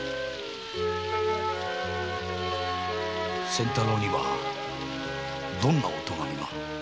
仙太郎にはどんなお咎めが？